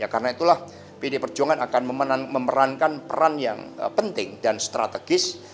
karena itulah pdi perjuangan akan memerankan peran yang penting dan strategis